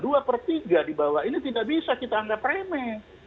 dua per tiga di bawah ini tidak bisa kita anggap remeh